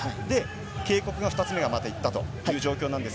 警告を２つ目がいったという状況です。